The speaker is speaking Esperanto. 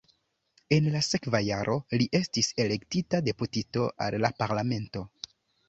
En la sekva jaro li estis elektita deputito al la parlamento.